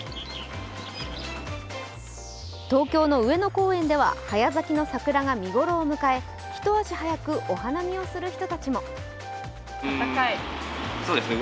東京の上野公園では早咲きの桜が見頃を迎え、一足早くお花見をする人たちも。